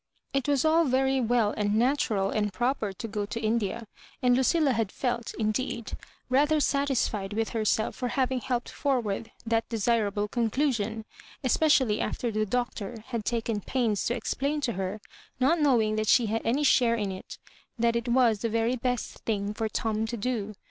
It was all very well and natural and proper to go to India, and Lucilla had felt, indeed, rather satisfied with Jierself for having helped forward that desirable conclusion, especially after the Doctor had taken pains to explain to her, not knowing that she had any share in it, that it was the very best thing for Tom to do.